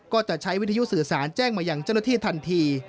ก็จะใช้วิทยุสื่อสารแจ้งมาอย่างเจ้าหน้าที่ทันที